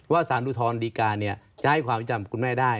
สารอุทธรณดีการจะให้ความจำคุณแม่ได้